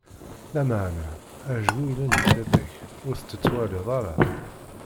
Lameɛna ajgu yellan di tiṭ-ik, ur t-tettwaliḍ ara!